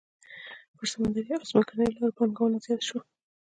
پر سمندري او ځمکنيو لارو پانګونه زیاته شوه.